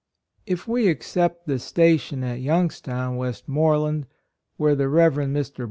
If we except the station at Youngs town, Westmoreland, where the Rev. Mr.